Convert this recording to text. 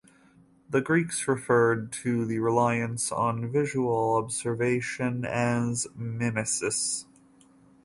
The Greeks referred to the reliance on visual observation as mimesis.